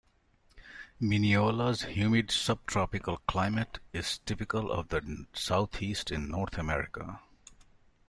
Mineola's humid subtropical climate is typical of the Southeast in North America.